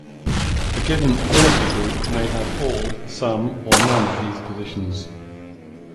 A given Affinity group may have all, some or none of these positions.